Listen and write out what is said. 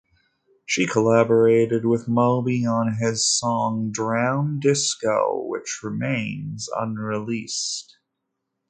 She collaborated with Moby on his song "Drown Disco" which remains unreleased.